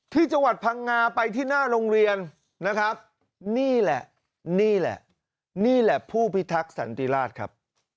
ที่จังหวัดพังงาไปที่หน้าโรงเรียนนะครับนี่แหละนี่แหละนี่แหละผู้พิทักษันติราชครับ